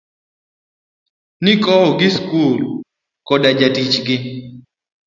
Nikowo gi skul koda jatich gi.